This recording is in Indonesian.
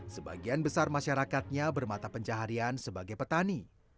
sebagian besar masyarakatnya bermata pencaharian sebagai petani